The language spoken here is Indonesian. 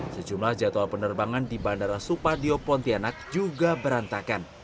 sejumlah jadwal penerbangan di bandara supadio pontianak juga berantakan